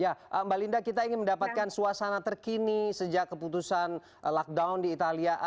ya mbak linda kita ingin mendapatkan suasana terkini sejak keputusan lockdown di italia